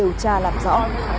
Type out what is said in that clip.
điều tra làm rõ